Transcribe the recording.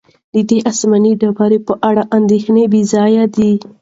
د دې آسماني ډبرې په اړه اندېښنه بې ځایه ده.